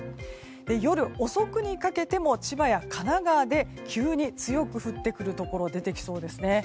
夜遅くにかけても千葉や神奈川で急に強く降ってくるところが出てきそうですね。